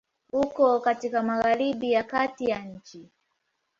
Uko katika Magharibi ya Kati ya nchi.